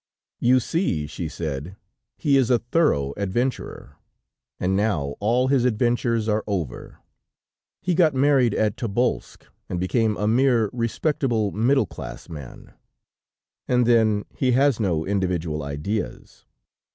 "'You see,' she said, 'he is a thorough adventurer, and now all his adventures are over. He got married at Tobolsk and became a mere respectable, middle class man. And then, he has no individual ideas.